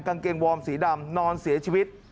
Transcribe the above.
กางเกงวอร์มสีดำนอนเสียชีวิต